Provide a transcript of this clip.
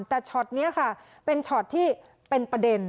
แต่ช็อตนี้ค่ะเป็นช็อตที่เป็นประเด็น